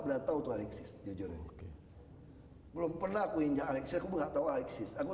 udah tahu tuh alexis jujur belum pernah aku injak alexis aku nggak tahu alexis aku